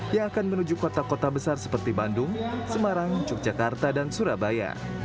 yang akan menuju kota kota besar seperti bandung semarang yogyakarta dan surabaya